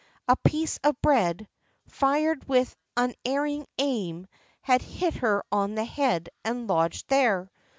A piece of bread, fired with unerring aim, had hit her on the head and lodged there.